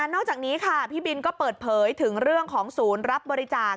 นอกจากนี้ค่ะพี่บินก็เปิดเผยถึงเรื่องของศูนย์รับบริจาค